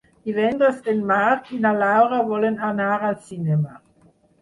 Divendres en Marc i na Laura volen anar al cinema.